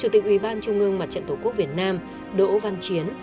tỉnh ủy ban trung ương mặt trận tổ quốc việt nam đỗ văn chiến